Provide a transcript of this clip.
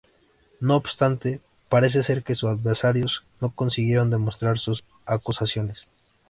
No obstante, parece ser que sus adversarios no consiguieron demostrar sus acusaciones.